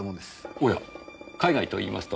おや海外といいますと？